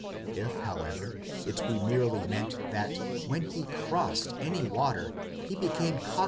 If, however, it be merely meant that when he crossed any water he became cog 3 Bibl.